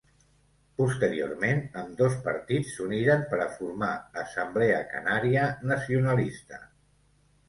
Posteriorment ambdós partits s'uniren per a formar Assemblea Canària Nacionalista.